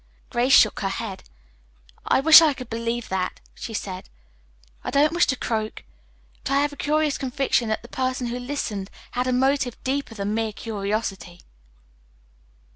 Grace shook her head. "I wish I could believe that," she said. "I don't wish to croak, but I have a curious conviction that the person who listened had a motive deeper than mere curiosity."